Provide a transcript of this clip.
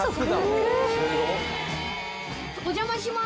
お邪魔します。